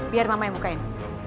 biar mama yang mukain